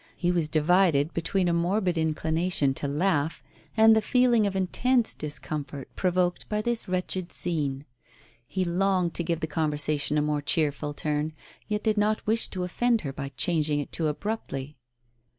He was divided between a morbid inclination to laugh and the feeling of intense discomfort provoked by this wretched scene. He longed to give the conversation a more cheerful turn, yet did not wish tp offend her by changing it too abruptly.